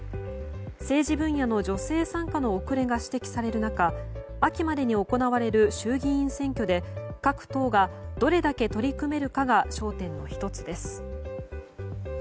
政治分野の女性参加の遅れが指摘される中秋までに行われる衆議院選挙で各党がどれだけ取り組めるかが焦点の１つです。